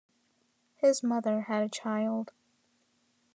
His mother had a child.